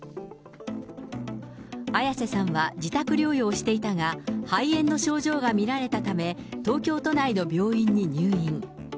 綾瀬さんは自宅療養していたが、肺炎の症状が見られたため、東京都内の病院に入院。